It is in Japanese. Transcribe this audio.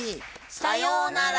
さようなら！